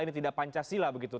ini tidak pancasila begitu